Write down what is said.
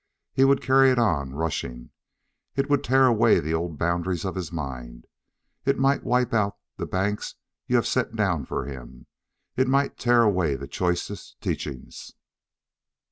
He would carry it on, rushing. It would tear away the old boundaries of his mind it might wipe out the banks you have set down for him it might tear away the choicest teachings."